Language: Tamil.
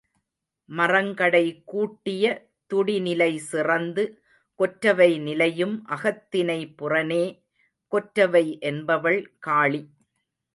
மறங்கடை கூட்டிய துடிநிலை சிறந்து கொற்றவை நிலையும் அகத்தினை புறனே. கொற்றவை என்பவள் காளி.